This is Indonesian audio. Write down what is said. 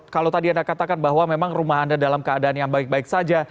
kalau tadi anda katakan bahwa memang rumah anda dalam keadaan yang baik baik saja